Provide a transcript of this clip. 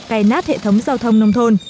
cay nát hệ thống giao thông nông thôn